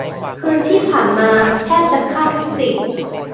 คืนที่ผ่านมาแทบจะฆ่าทุกสิ่ง